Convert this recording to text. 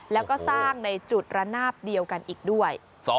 แล้วก็สร้างในจุดระนาบเดียวกันอีกด้วย